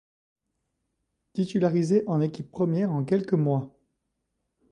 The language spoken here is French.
Titularisé en équipe première en quelques mois.